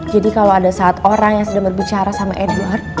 jadi kalau ada saat orang yang sedang berbicara sama edward